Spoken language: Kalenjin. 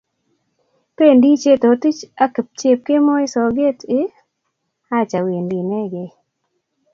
Pendi Chetotich ak Chepkemoi soget ii?"Acha wendi inekey"